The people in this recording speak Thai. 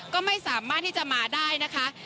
ก็ไม่สามารถที่จะมาได้นะคะ